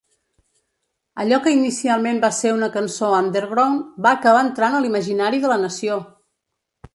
Allò que inicialment va ser una cançó "underground", va acabar entrant a l'imaginari de la nació!